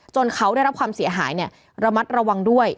เขาได้รับความเสียหายระมัดระวังด้วย